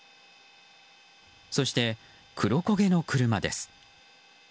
そして黒焦げの車です。